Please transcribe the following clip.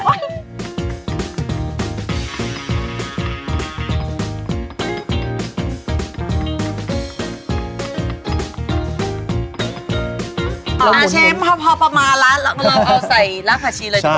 อะเชฟพอมาแล้วเราเอาใส่รากผักชีเลยดีกว่า